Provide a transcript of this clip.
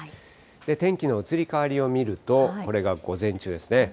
天気の移り変わりを見ると、これが午前中ですね。